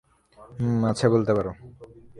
হুম, আছে বলতে পারো।